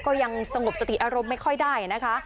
ก็ยังสงบสติอารมณ์ไม่ค่อยได้นะคะ